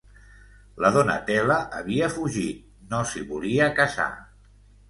La Donatella havia fugit, no s'hi volia casar.